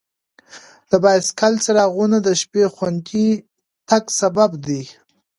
د بایسکل څراغونه د شپې خوندي تګ سبب دي.